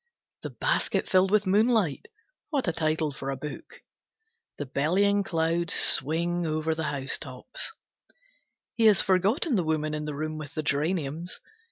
"The Basket Filled with Moonlight", what a title for a book! The bellying clouds swing over the housetops. He has forgotten the woman in the room with the geraniums.